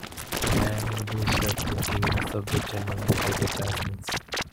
A man in a blue shirt walking in a subway tunnel with advertisements.